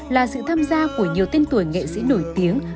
là sự tham gia của nhiều tên tuổi nghệ sĩ nổi tiếng